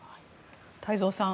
太蔵さん